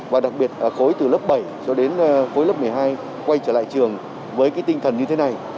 và đặc biệt khối từ lớp bảy cho đến cuối lớp một mươi hai quay trở lại trường với cái tinh thần như thế này